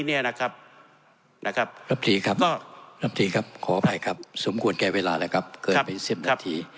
รับทรีย์ครับขออภัยครับสมควรแก่เวลานะครับเกินไป๑๐นาที